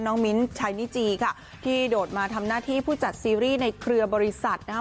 มิ้นท์ชายนิจีค่ะที่โดดมาทำหน้าที่ผู้จัดซีรีส์ในเครือบริษัทนะครับ